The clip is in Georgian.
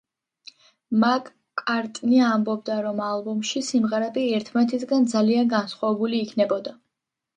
მაკ-კარტნი ამბობდა, რომ ალბომში სიმღერები ერთმანეთისგან ძალიან განსხვავებული იქნებოდა.